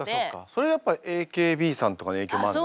それやっぱＡＫＢさんとかの影響もあるの？